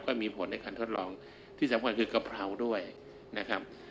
ก็มีผลในการทดลองที่สำคัญคือกะเพราด้วยนะครับ